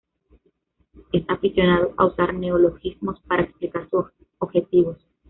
Es aficionado a usar neologismos para explicar sus objetivos.